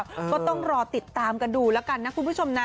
ก็ต้องรอติดตามกันดูแล้วกันนะคุณผู้ชมนะ